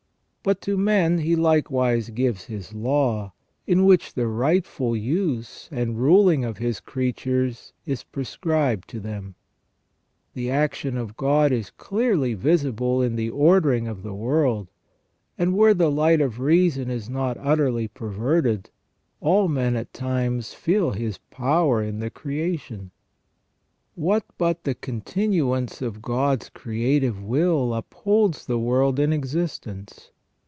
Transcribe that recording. But to men He likewise gives His law, in which the rightful use and ruling of His creatures is prescribed to them. The action of God is clearly visible in the ordering of the 58 THE SECONDARY IMAGE OF GOD IN MAN. world ; and where the h'ght of reason is not utterly perverted, all men at times feel His power in the creation. What but the con tinuance of God's creative will upholds the world in existence